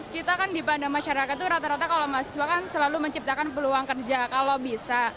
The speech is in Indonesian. kita kan dipandang masyarakat itu rata rata kalau mahasiswa kan selalu menciptakan peluang kerja kalau bisa